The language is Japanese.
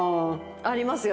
ありますよね。